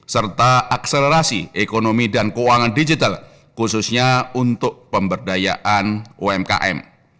serta akselerasi ekonomi dan keuangan digital khususnya untuk pemberdayaan umkm